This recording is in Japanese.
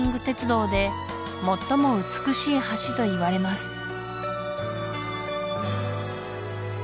鉄道で最も美しい橋といわれます